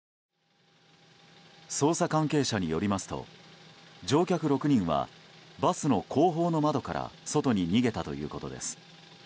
捜査関係者によりますと乗客６人はバスの後方の窓から外に逃げたということです。